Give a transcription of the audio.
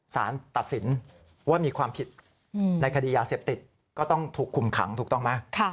สารตัดสินว่ามีความผิดในคดียาเสพติดก็ต้องถูกคุมขังถูกต้องไหม